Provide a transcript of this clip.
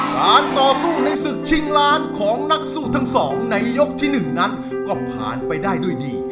การต่อสู้ในศึกชิงล้านของนักสู้ทั้งสองในยกที่๑นั้นก็ผ่านไปได้ด้วยดี